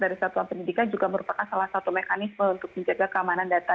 dan peraturan pendidikan juga merupakan salah satu mekanisme untuk menjaga keamanan data